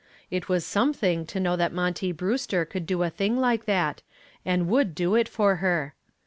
It was something to know that Monty Brewster could do a thing like that, and would do it for her.